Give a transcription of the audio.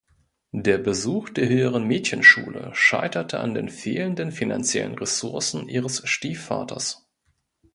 Der Besuch der höheren Mädchenschule scheiterte an den fehlenden finanziellen Ressourcen ihres Stiefvaters.